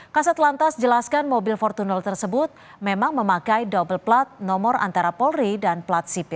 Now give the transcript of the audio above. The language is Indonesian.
kasat lantas jelaskan mobil fortuner tersebut memang memakai double plat nomor antara polri dan plat sipil